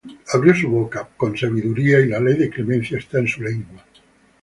Abrió su boca con sabiduría: Y la ley de clemencia está en su lengua.